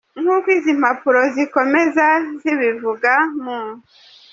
Nk’uko izi mpapuro zikomeza zibivuga M.